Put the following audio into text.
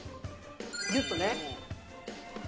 ぎゅっとね。